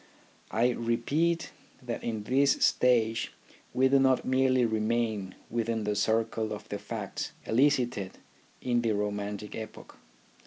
I repeat that in this stage we do not merely remain within the circle of the facts elicited in the romantic epoch.